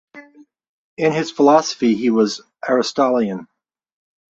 In his philosophy he was Aristotelian.